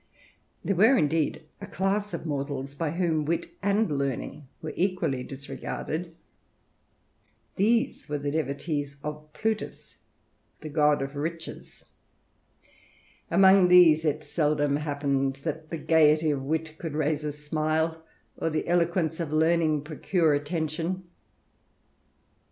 There were indeed a class of mortals, by whom Wit and Learning were equally disregarded : these were the devotees of Plutus, the god of riches ; among these it seldom hap pened that the gaiety of VVit could raise a smile, or the eloquence of Learning procure attention.